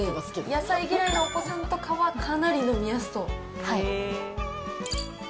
野菜嫌いのお子さんとかは、かなり飲みやすそう。